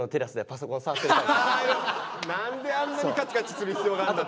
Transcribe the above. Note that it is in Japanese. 何であんなにカチカチする必要が。